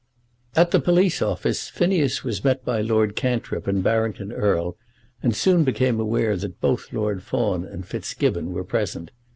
At the police office Phineas was met by Lord Cantrip and Barrington Erle, and soon became aware that both Lord Fawn and Fitzgibbon were present.